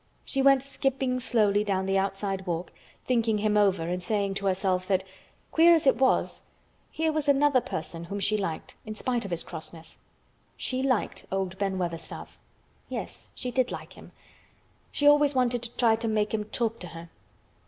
She went skipping slowly down the outside walk, thinking him over and saying to herself that, queer as it was, here was another person whom she liked in spite of his crossness. She liked old Ben Weatherstaff. Yes, she did like him. She always wanted to try to make him talk to her.